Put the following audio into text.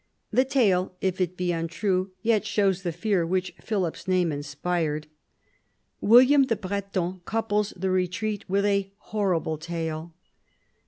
The tale, if it be untrue, yet shows the fear which Philip's name inspired. William the Breton couples the retreat with a horrible tale.